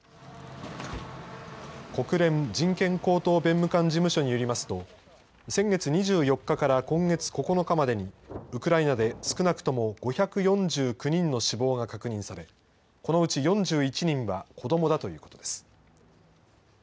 国連人権高等弁務官事務所によりますと、先月２４日から今月９日までに、ウクライナで少なくとも５４９人の死亡が確認され、このうち４１人は子どもだということです。